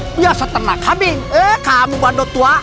biasa tenang kami eh kamu bandut tua